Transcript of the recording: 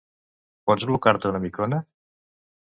Pots blocar-te una micona?